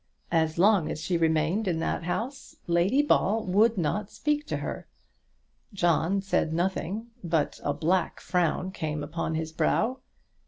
As long as she remained in that house Lady Ball would not speak to her. John said nothing, but a black frown came upon his brow.